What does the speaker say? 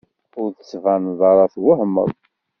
Ur d-tbaneḍ ara twehmeḍ.